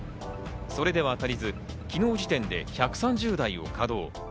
それでは足りず昨日時点で１３０台を稼働。